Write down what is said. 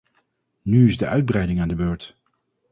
Nu is de uitbreiding aan de beurt.